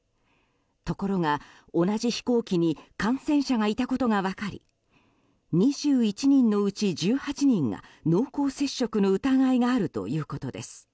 ところが、同じ飛行機に感染者がいたことが分かり２１人のうち１８人が濃厚接触の疑いがあるということです。